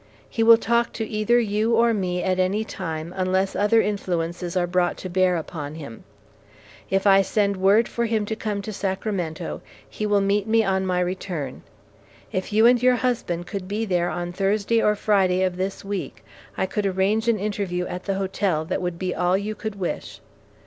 He will talk to either you or me at any time, unless other influences are brought to bear upon him. If I send word for him to come to Sacramento, he will meet me on my return. If you and your husband could be there on Thursday or Friday of this week, I could arrange an interview at the hotel that would be all you could wish.